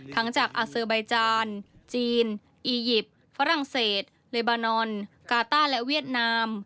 จากอาเซอร์ไบจานจีนอียิปต์ฝรั่งเศสเลบานอนกาต้าและเวียดนาม